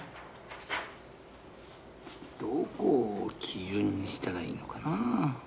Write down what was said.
どこを基準にしたらいいのかな。